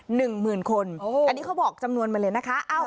หนึ่งหมื่นคนอันนี้เขาบอกจำนวนมาเลยนะคะ